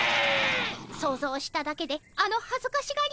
想像しただけであのはずかしがりよう。